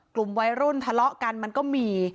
กลุ่มวัยรุ่นทะเลาะกันมันก็มี